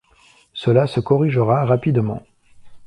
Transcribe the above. Cela se corrigera rapidement.